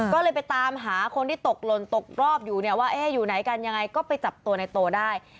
ก็เลยไปตามหาคนที่ตกหล่นตกรอบอยู่เนี่ยว่าอยู่ไหนกันยังไงก็ไปจับตัวในโตได้